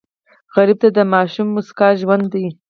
غریب ته د ماشوم موسکا ژوند دی